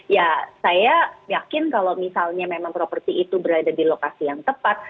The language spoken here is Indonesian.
ya saya yakin kalau misalnya memang properti itu berada di lokasi yang tepat